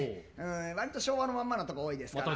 わりと昭和のまんまのところ多いですから。